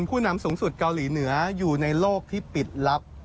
ผู้นำสูงสุดเกาหลีเหนืออยู่ในโลกที่ปิดลับ